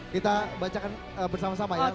kita bacakan bersama sama ya